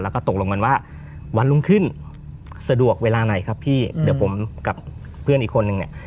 แล้วก็ตกลงกันว่าวันรุ่งขึ้นสะดวกเวลาไหนครับพี่เดี๋ยวผมกับเพื่อนอีกคนนึงเนี่ย